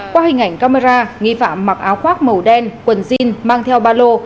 qua hình ảnh camera nghi phạm mặc áo khoác màu đen quần jean mang theo ba lô